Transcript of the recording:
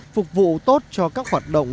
phục vụ tốt cho các hoạt động